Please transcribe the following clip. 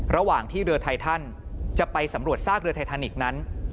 ระหว่างที่เรือไททันจะไปสำรวจซากเรือไททานิกส์นั้น